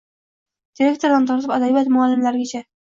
Direktordan tortib, adabiyot muallimlarigacha.